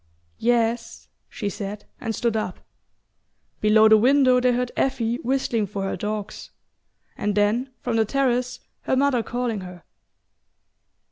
"Yes " she said, and stood up. Below the window they heard Effie whistling for her dogs, and then, from the terrace, her mother calling her.